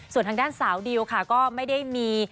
ส่วนทางด้านสาวดิวค่ะก็ไม่ได้มี